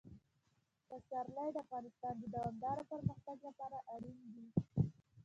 پسرلی د افغانستان د دوامداره پرمختګ لپاره اړین دي.